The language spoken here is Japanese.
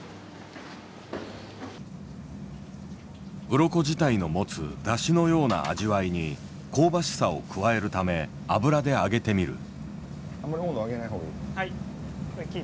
うろこ自体の持つだしのような味わいに香ばしさを加えるため油で揚げてみる。